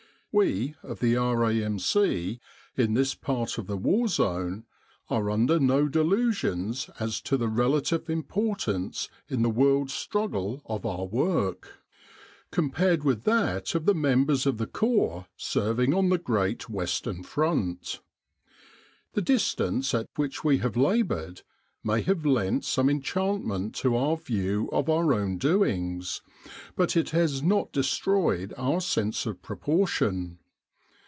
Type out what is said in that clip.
We of the R.A.M.C., in this part of the war zone, are under no delusions as to the relative impor tance in the world struggle of our work, compared with that of the members of the Corps serving on the great Western Front. The distance at which we have laboured may have lent some enchantment to our view of our own doings ; but it has not destroyed our sense of proportion.